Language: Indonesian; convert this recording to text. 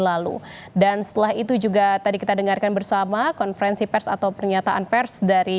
lalu dan setelah itu juga tadi kita dengarkan bersama konferensi pers atau pernyataan pers dari